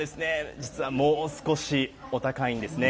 実はもう少しお高いんですね。